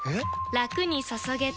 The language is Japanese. ラクに注げてペコ！